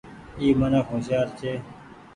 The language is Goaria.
اي منک هوشيآر ڇي۔